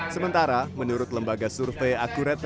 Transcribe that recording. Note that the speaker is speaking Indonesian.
sementara menurut lembaga survei akurat